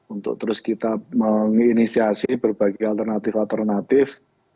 untuk terus kita menginisiasi berbagai alternatif alternatif